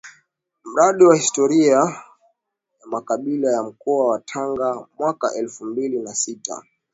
Mradi wa Historia ya Makabila ya Mkoa wa Tanga mwaka elfu mbili na sita